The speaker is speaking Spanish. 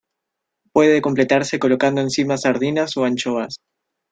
Puede completarse colocando encima sardinas o anchoas.